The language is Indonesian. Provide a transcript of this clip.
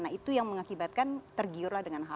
nah itu yang mengakibatkan tergiurlah dengan hal hal